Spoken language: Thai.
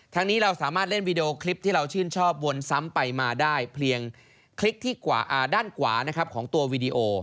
นี้เราสามารถเล่นวีดีโอคลิปที่เราชื่นชอบวนซ้ำไปมาได้เพียงคลิปที่ด้านขวานะครับของตัววีดีโอ